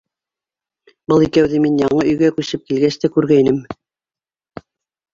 Был икәүҙе мин яңы өйгә күсеп килгәс тә күргәйнем...